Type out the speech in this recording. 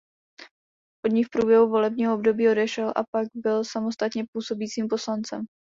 Od ní v průběhu volebního období odešel a byl pak samostatně působícím poslancem.